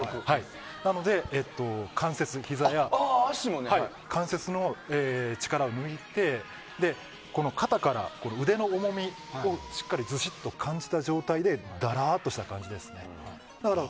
なので、関節の力を抜いて肩から腕の重みをしっかり、ずしっと感じた状態でダラーっとした感じですね。